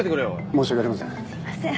申し訳ありません。